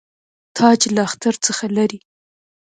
تاج له اختر څخه لري.